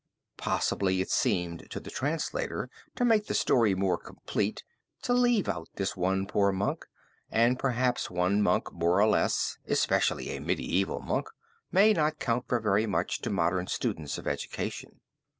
Possibly it seemed to the translator to make the story more complete to leave out this one poor monk and perhaps one monk more or less, especially a medieval monk, may not count for very much to modern students of education.